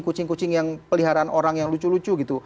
kucing kucing yang peliharaan orang yang lucu lucu gitu